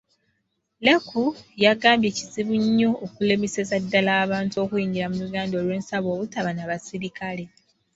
Leku, yagambye kizibu nnyo okulemeseza ddala abantu okuyingira mu Uganda olwensalo obutaba na basirikale.